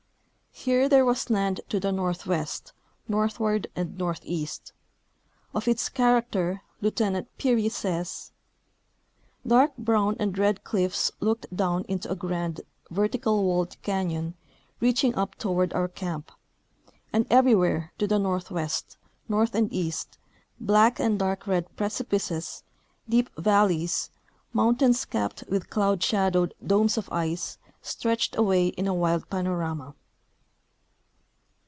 Here there was land to the northwest, northward and northeast. Of its character Lieutenant Peary says :" Dark brown and red cliffs looked down into a grand, vertical walled canyon reaching up toward our camp ; and every where, to the northwest, north and east, black and dark red precipices, deep valleys, mountains capped with cloud shadowed domes of ice, stretched away in a wild panorama."